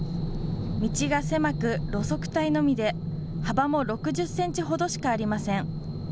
道が狭く路側帯のみで幅も６０センチほどしかありません。